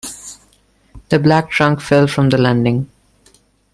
The black trunk fell from the landing.